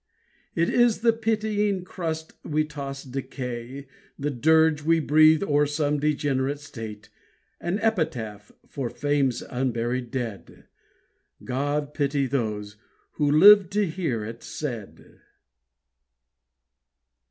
It is the pitying crust we toss decay, The dirge we breathe o'er some degenerate state, An epitaph for fame's unburied dead. God pity those who live to hear it said!